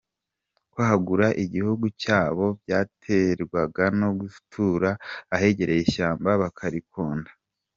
Kwagura igihugu cyabo byaterwaga no gutura ahegereye ishyamba bakarikonda.